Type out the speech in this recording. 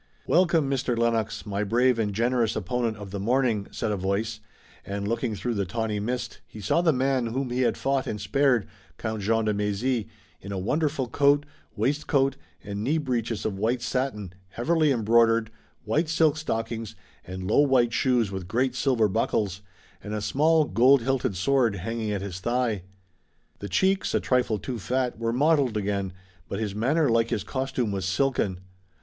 "Welcome, Mr. Lennox, my brave and generous opponent of the morning," said a voice, and, looking through the tawny mist, he saw the man whom he had fought and spared, Count Jean de Mézy, in a wonderful coat, waistcoat and knee breeches of white satin, heavily embroidered, white silk stockings, and low white shoes with great silver buckles, and a small gold hilted sword hanging at his thigh. The cheeks, a trifle too fat, were mottled again, but his manner like his costume was silken.